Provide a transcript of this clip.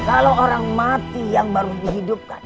kalau orang mati yang baru dihidupkan